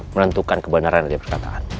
menentukan kebenaran dari perkataan